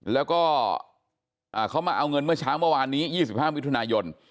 แล้วก็เขามาเอาเงินเมื่อเช้าเมื่อวานนี้๒๕มิถุนายน